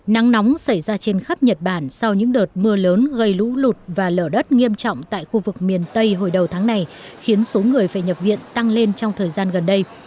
nắng nóng xảy ra trên khắp nhật bản sau những đợt mưa lớn gây lũ lụt và lở đất nghiêm trọng tại khu vực miền tây hồi đầu tháng này khiến số người phải nhập viện tăng lên trong thời gian gần đây